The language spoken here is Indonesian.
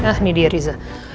nah ini dia riza